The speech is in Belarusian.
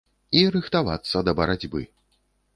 І рыхтавацца да барацьбы.